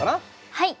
はい。